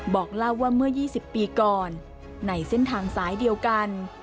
บอกเล่าว่าเมื่อ๒๐ปีก่อนในเส้นทางสายเดียวกัน